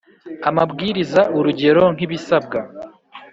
amabwiriza urugero nk ibisabwa